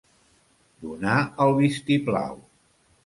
Donar el vistiplau.